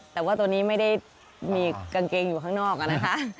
แต่ว่าตัวนี้ไม่ได้มีกางเกงอยู่ข้างนอกอะนะคะ